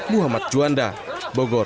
muhammad juanda bogor